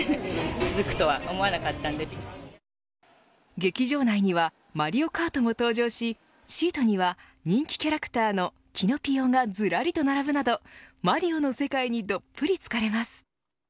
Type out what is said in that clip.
劇場内にはマリオカートも登場しシートには人気キャラクターのキノピオがずらりと並ぶなどマリオの世界にどっぷり漬かれます。